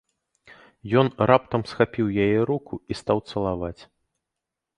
Ён раптам схапіў яе руку і стаў цалаваць.